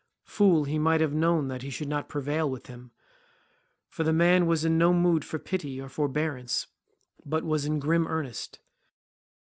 Fool, he might have known that he should not prevail with him, for the man was in no mood for pity or forbearance but was in grim earnest.